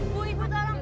bu ibu tolong